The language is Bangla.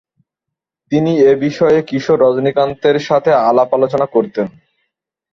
তিনি এ বিষয়ে কিশোর রজনীকান্তের সাথে আলাপ-আলোচনা করতেন।